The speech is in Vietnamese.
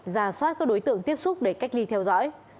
giả soát các đối tượng tiếp xúc để cách ly theo dõi